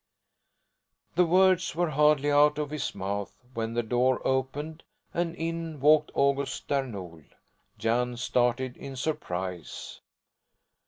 The words were hardly out of his mouth, when the door opened, and in walked August Där Nol. Jan started in surprise.